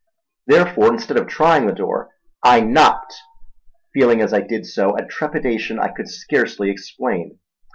Therefore instead of trying the door I knocked, feeling as I did so a trepidation I could scarcely explain.